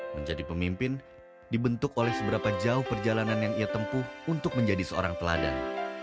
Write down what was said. menjadi pemimpin dibentuk oleh seberapa jauh perjalanan yang ia tempuh untuk menjadi seorang teladan